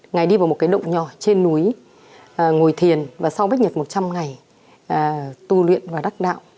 ngày đi vào một cái động nhỏ trên núi ngồi thiền và sau bách nhật một trăm linh ngày tu luyện và đắc đạo